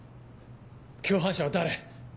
共犯者は誰？